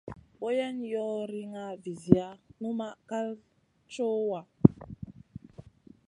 Boyen yoh riŋa viziya, numaʼ kal cowa.